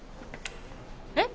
えっ？